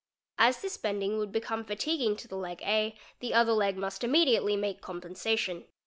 As this bending would become fatiguing to the leg A the other leg must immediately make compensation.